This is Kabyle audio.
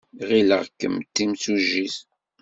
Ɣileɣ kemm d timsujjit.